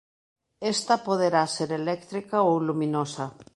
Esta poderá ser eléctrica ou luminosa.